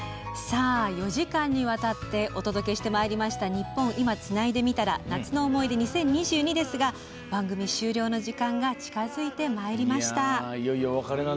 ４時間にわたってお届けしました「ニッポン『今』つないでみたら夏の思い出２０２２」ですが番組終了の時間が近づいてまいりました。